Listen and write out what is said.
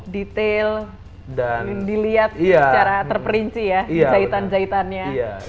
detail dilihat secara terperinci ya jahitan jahitannya